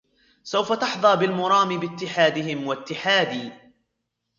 سوف تحظى بالمرام باتحادهم واتحادي